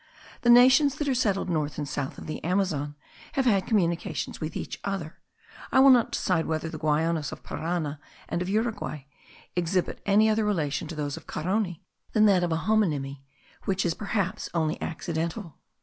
the nations that are settled north and south of the Amazon have had communications with each other, I will not decide whether the Guayanos of Parana and of Uruguay exhibit any other relation to those of Carony, than that of an homonomy, which is perhaps only accidental.